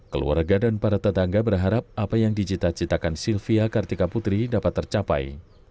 keluarga dan para tetangga berharap apa yang dicita citakan sylvia kartika putri dapat tercapai